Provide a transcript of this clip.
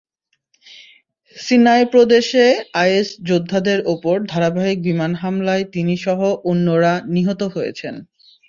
Sinai প্রদেশে IS যোদ্ধাদের ওপর ধারাবাহিক বিমান হামলায় তিনিসহ অন্যরা নিহত হয়েছেন।